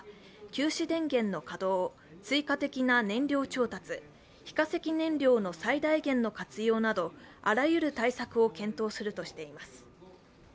休止電源の稼働、追加的な燃料調達非化石燃料の最大限の活用などあらゆる対策を検討するとしています。